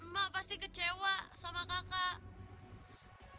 mak pasti kecewa sama kakak